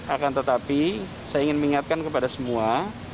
akan tetapi saya ingin mengingatkan kepada semua